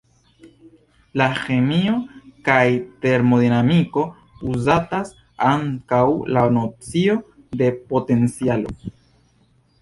En ĥemio kaj termodinamiko uzatas ankaŭ la nocio de potencialo.